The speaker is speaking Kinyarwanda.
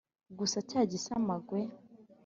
cyusa cya gisama-ngwe